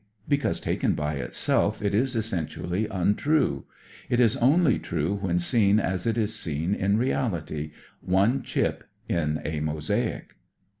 Because, taken by itself, it is essentially untrue. It's only true when seen as it is seen in reality— one chip in a mosaic.